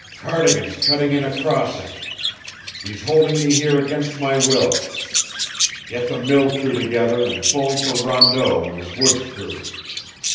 "Cardigan's cutting in a crossing. He's holding me here against my will. Get the mill crew together and phone for Rondeau and his woods crew.